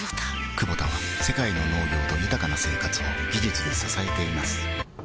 クボタは世界の農業と豊かな生活を技術で支えています起きて。